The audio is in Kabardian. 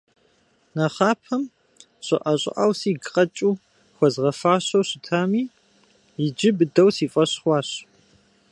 Нэхъапэм щӀыӀэ-щӀыӀэу сигу къэкӀыу, хуэзгъэфащэу щытами, иджы быдэу си фӀэщ хъуащ.